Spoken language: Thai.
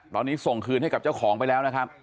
ตอนนี้ส่งคืนให้กับเจ้าของไปแล้วนะครับ